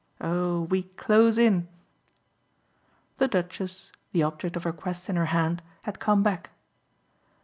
Oh we close in!" The Duchess, the object of her quest in her hand, had come back.